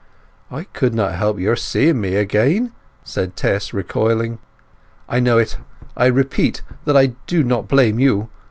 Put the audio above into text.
"I couldn't help your seeing me again!" said Tess, recoiling. "I know it—I repeat that I do not blame you.